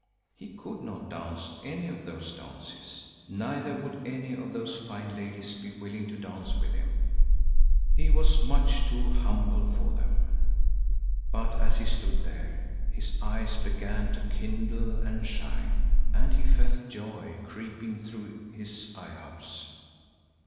He could not dance any of those dances. Neither would any of those fine ladies be willing to dance with him. He was much too humble for them. But as he stood there, his eyes began to kindle and shine, and he felt joy creeping through his limbs.